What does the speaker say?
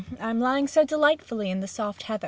I'm lying so delightfully in the soft heather.